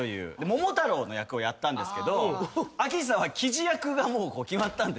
『桃太郎』の役をやったんですがあきひさはキジ役が決まったんですね。